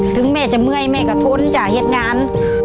ถึงแม่จะเมื่อยแม่ก็ทนจากเหตุการณ์